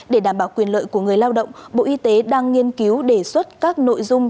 để đảm bảo quyền lợi của người lao động bộ y tế đang nghiên cứu đề xuất các nội dung